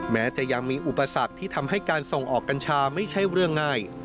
แม้จะยังมีอุปสรรคที่ทำให้การส่งออกกัญชาไม่ใช่เรื่องง่าย